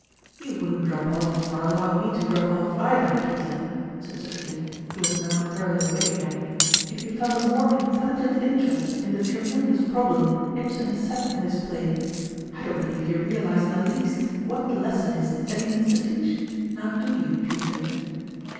" You wouldn't drop off, or allow me to drop off either, Peter," said Sophia, who was now thoroughly awake again, "if you felt a more intelligent interest in the tremendous problem Ibsen has set in this play. I don't believe you realize in the least what the les son is that he means to teach ; now do you, Peter?"